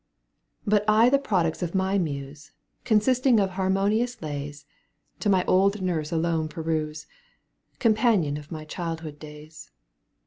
But I the products of my Muse, Coiisisting of harmonious lays, To my old nurse alone peruse, Companion of my chfldhood's days.